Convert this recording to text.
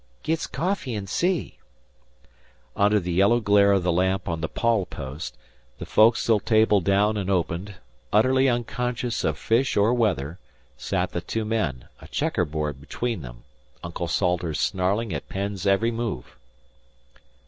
"Git 's coffee and see." Under the yellow glare of the lamp on the pawl post, the foc'sle table down and opened, utterly unconscious of fish or weather, sat the two men, a checker board between them, Uncle Salters snarling at Penn's every move.